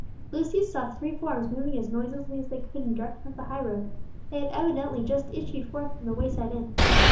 Lucius saw three forms moving as noiselessly as they could in the direction of the highroad; they had evidently just issued forth from the wayside inn.